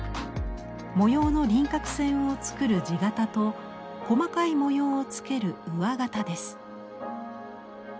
模様の輪郭線を作る地形と細かい模様をつける上形です。